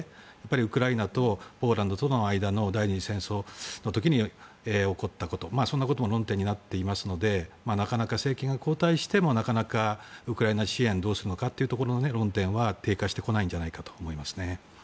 ウクライナとポーランドとの間の第２次戦争の時に起こったことそんなことも論点になっていますのでなかなか政権が交代してもなかなかウクライナ支援どうするのかという論点は低下してこないんじゃないかと思いますね。